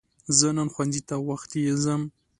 زه نن ښوونځی ته وختی ځم